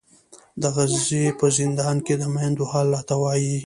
د غزې په زندان کې د میندو حال راته وایي.